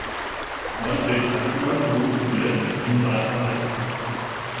Manfred Hansmann wohnte zuletzt in Bad Honnef.